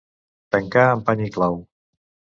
Tancar amb pany i clau.